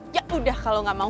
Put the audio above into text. ya udah kalau gak mau